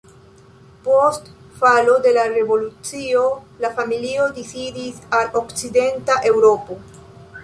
Post falo de la revolucio la familio disidis al okcidenta Eŭropo.